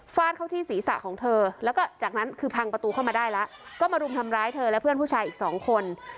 เข้าที่ศีรษะของเธอแล้วก็จากนั้นคือพังประตูเข้ามาได้แล้วก็มารุมทำร้ายเธอและเพื่อนผู้ชายอีกสองคน